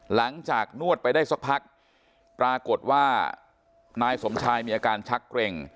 นวดไปได้สักพักปรากฏว่านายสมชายมีอาการชักเกร็ง